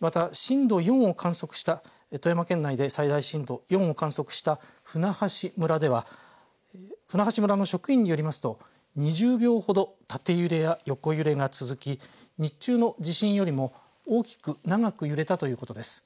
また、震度４を観測した富山県内で最大震度４を観測した舟橋村では舟橋村の職員によりますと２０秒ほど縦揺れや横揺れが続き日中の地震よりも大きく長く揺れたということです。